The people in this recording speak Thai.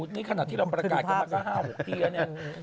นี่ขนาดที่เราประกาศกันมาก็๕๖ปีแล้วเนี่ย